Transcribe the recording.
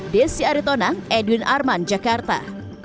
desi aritonang edwin arman jakarta